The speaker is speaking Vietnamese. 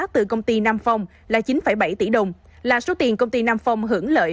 từ công ty nam phong là chín bảy tỷ đồng là số tiền công ty nam phong hưởng lợi